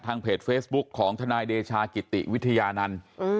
เพจเฟซบุ๊คของทนายเดชากิติวิทยานันต์